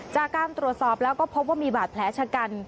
จากการตรวจสอบแล้วก็พบว่ามีบาดแผลชะกัน